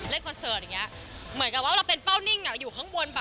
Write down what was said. เล่นคอนเสิร์ตอย่างนี้เหมือนกับว่าเราเป็นเป้านิ่งอยู่ข้างบน